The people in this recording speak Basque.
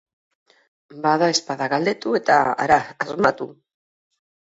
Badaezpada galdetu eta hara asmatu!